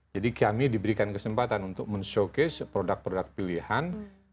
jadi kami diberikan kesempatan untuk men showcase produk produk pilihan